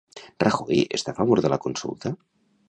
Rajoy està a favor de la consulta?